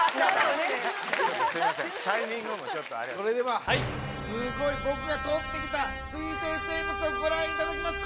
それではスゴい僕がとってきた水生生物をご覧いただきます